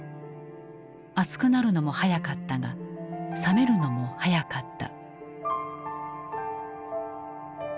熱くなるのも早かったが冷めるのも早かった。